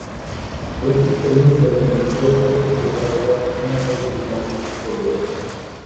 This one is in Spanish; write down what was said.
Esta experiencia le permitió desarrollar una red de contactos muy poderosos.